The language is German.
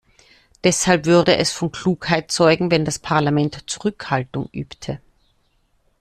Deshalb würde es von Klugheit zeugen, wenn das Parlament Zurückhaltung übte.